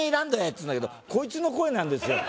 っつうんだけどこいつの声なんですよ